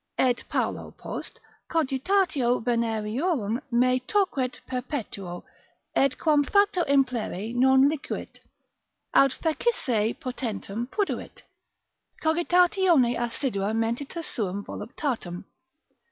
Et paulo post, Cogitatio Venereorum me torquet perpetuo, et quam facto implere non licuit, aut fecisse potentem puduit, cogitatione assidua mentitus sum voluptatem.